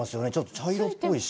茶色っぽいし。